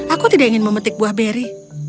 aku tidak ingin memetik buah beri